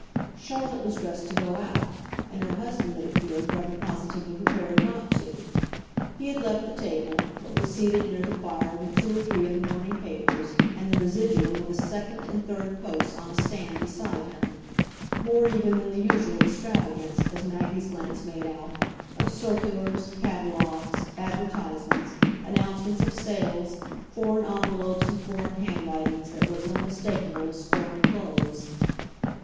Charlotte was dressed to go out, and her husband, it appeared, rather positively prepared not to; he had left the table, but was seated near the fire with two or three of the morning papers and the residuum of the second and third posts on a stand beside him more even than the usual extravagance, as Maggie's glance made out, of circulars, catalogues, advertisements, announcements of sales, foreign envelopes and foreign handwritings that were as unmistakable as foreign clothes.